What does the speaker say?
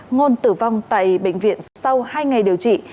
ngôn tử vong tại bệnh viện sau hai ngày điều trị